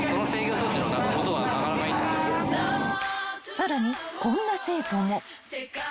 ［さらにこんな生徒も］